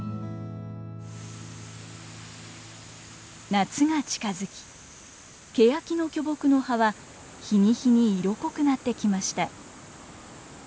夏が近づきケヤキの巨木の葉は日に日に色濃くなってきました。